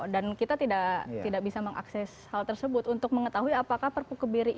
dan kita tidak bisa mengakses hal tersebut untuk mengetahui apakah perpu kebiri ini